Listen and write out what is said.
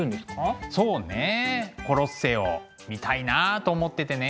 そうねコロッセオ見たいなあと思っててね。